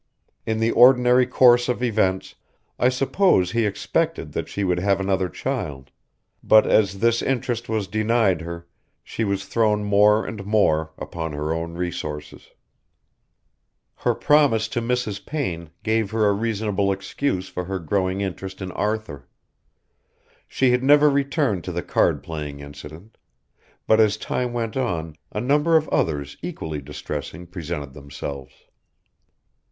In the ordinary course of events I suppose he expected that she would have another child, but as this interest was denied her, she was thrown more and more upon her own resources. Her promise to Mrs. Payne gave her a reasonable excuse for her growing interest in Arthur. She had never returned to the card playing incident; but as time went on a number of others equally distressing presented themselves.